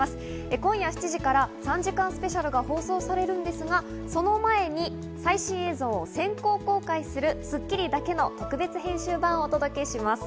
今夜７時から３時間スペシャルが放送されるんですが、その前に最新映像を先行公開する『スッキリ』だけの特別編集版をお届けします。